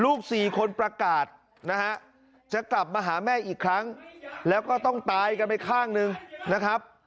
สี่คนประกาศนะฮะจะกลับมาหาแม่อีกครั้งแล้วก็ต้องตายกันไปข้างหนึ่งนะครับ